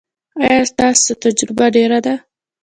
ایا ستاسو تجربه ډیره ده؟